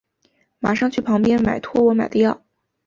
马上去旁边买托我买的药